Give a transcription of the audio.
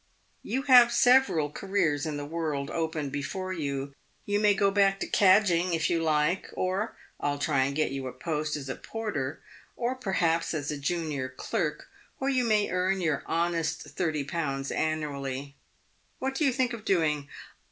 "You have several careers in the world open before you. You may go back to cadging, if you like, or I'll try and get you a post as a porter, or per haps as junior clerk, where you may earn your honest SOI. annually. What do you think of doing